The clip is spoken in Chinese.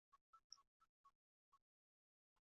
主要城镇包括华威和皇家利明顿温泉。